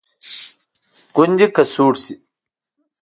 ګوندې که سوړ شي.